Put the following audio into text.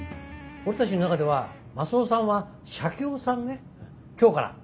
俺たちの中ではマスオさんはシャケオさんね今日から。